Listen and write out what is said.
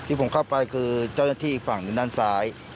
ผมเข้าไปคือเจ้าหน้าที่อีกฝั่งหนึ่งด้านซ้าย